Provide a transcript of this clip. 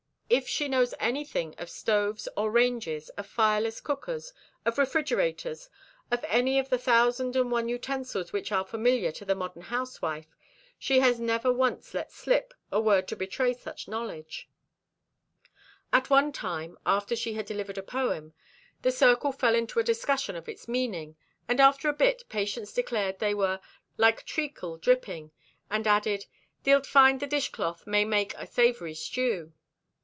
If she knows anything of stoves or ranges, of fireless cookers, of refrigerators, of any of the thousand and one utensils which are familiar to the modern housewife, she has never once let slip a word to betray such knowledge. At one time, after she had delivered a poem, the circle fell into a discussion of its meaning, and after a bit Patience declared they were "like treacle dripping," and added, "thee'lt find the dishcloth may make a savory stew."